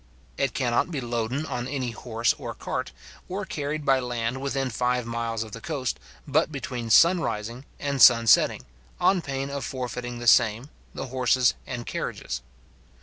It cannot be loaden on any horse or cart, or carried by land within five miles of the coast, but between sun rising, and sun setting, on pain of forfeiting the same, the horses and carriages.